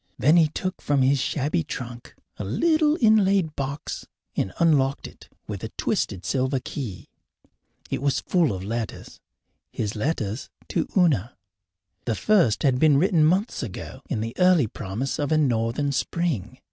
Then he took from his shabby trunk a little inlaid box and unlocked it with a twisted silver key. It was full of letters his letters to Una. The first had been written months ago, in the early promise of a northern spring.